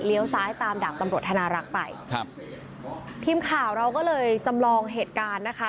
ซ้ายตามดาบตำรวจธนารักษ์ไปครับทีมข่าวเราก็เลยจำลองเหตุการณ์นะคะ